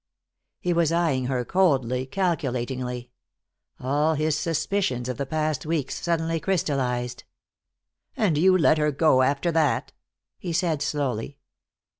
He was eyeing her coldly, calculatingly. All his suspicions of the past weeks suddenly crystallized. "And you let her go, after that," he said slowly.